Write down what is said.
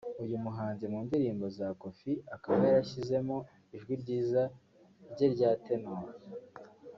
uyu muhanzi mu ndirimbo za Koffi akaba yarashyizemo ijwi ryiza rye rya Tenor